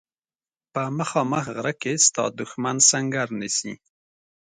په مخامخ غره کې ستا دښمن سنګر نیسي.